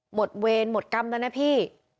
เวรหมดกรรมแล้วนะพี่